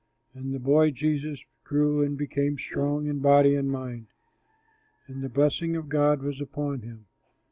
And the boy Jesus grew and became strong in body and mind. And the blessing of God was upon him.